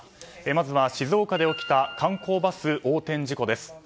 まずは静岡で起きた観光バス横転事故です。